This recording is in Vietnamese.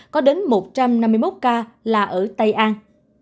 có đến một trăm năm mươi một ca là ở tây an